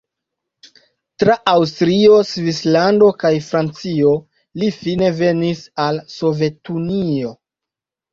Tra Aŭstrio, Svislando kaj Francio li fine venis al Sovetunio.